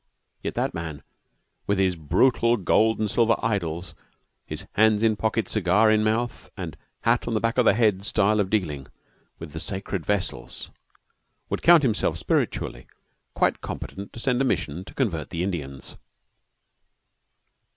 Yet that man, with his brutal gold and silver idols, his hands in pocket, cigar in mouth, and hat on the back of the head style of dealing with the sacred vessels, would count himself, spiritually, quite competent to send a mission to convert the Indians.